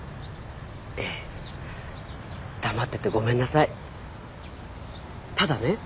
ええ黙っててごめんなさいただね